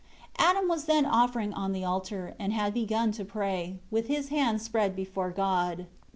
2 Adam was then offering on the altar, and had begun to pray, with his hands spread before God.